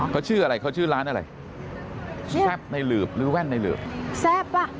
เขาชื่ออะไรเขาชื่อร้านอะไรแซ่บในหลืบหรือแว่นในหืบแซ่บว่ะ